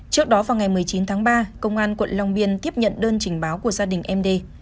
trước đó vào ngày một mươi chín tháng ba công an quận long biên tiếp nhận đơn trình báo của gia đình em đê